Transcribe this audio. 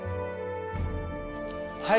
はい。